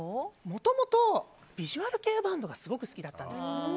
もともとビジュアル系バンドがすごく好きだったんです。